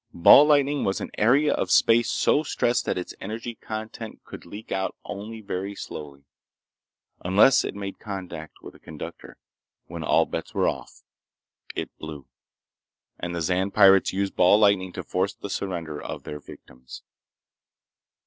Ball lightning was an area of space so stressed that its energy content could leak out only very slowly, unless it made contact with a conductor, when all bets were off. It blew. And the Zan pirates used ball lightning to force the surrender of their victims.